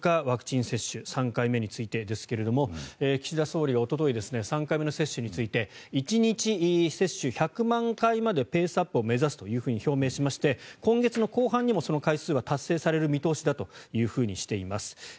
ワクチン接種３回目についてですが岸田総理はおととい３回目の接種について１日接種１００万回までペースアップを目指すと表明しまして、今月後半にもその回数は達成される見通しだとしています。